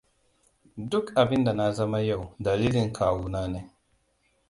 Duk abinda na zama yau dalilin kawuna ne.